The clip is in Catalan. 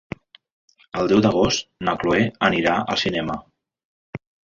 El deu d'agost na Cloè anirà al cinema.